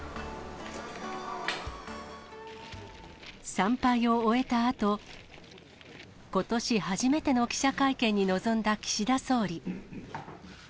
参拝を終えたあと、ことし初めての記者会見に臨んだ岸田総理。